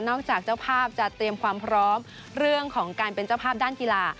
จากเจ้าภาพจะเตรียมความพร้อมเรื่องของการเป็นเจ้าภาพด้านกีฬา